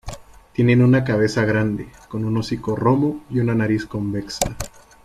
Tienen una cabeza grande, con un hocico romo y una nariz convexa.